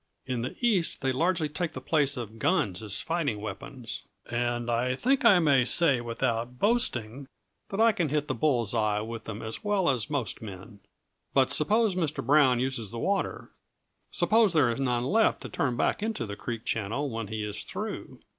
In the East they largely take the place of guns as fighting weapons, and I think I may say without boasting that I can hit the bull's eye with them as well as most men. But suppose Mr. Brown uses the water? Suppose there is none left to turn back into the creek channel when he is through?